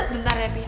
bentar ya pih